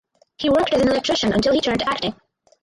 He worked as an electrician until he turned to acting.